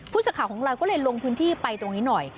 สักข่าวของเราก็เลยลงพื้นที่ไปตรงนี้หน่อย